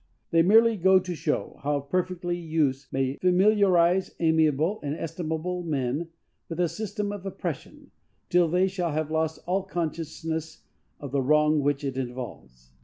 They merely go to show how perfectly use may familiarize amiable and estimable men with a system of oppression, till they shall have lost all consciousness of the wrong which it involves.